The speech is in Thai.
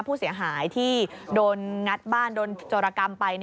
ผู้เสียหายที่โดนงัดบ้านโดนโจรกรรมไป